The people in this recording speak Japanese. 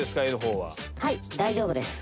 はい大丈夫です。